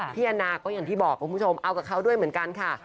อันนาก็อย่างที่บอกคุณผู้ชมเอากับเขาด้วยเหมือนกันค่ะ